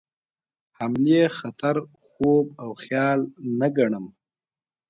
حملې خطر خوب او خیال نه ګڼم.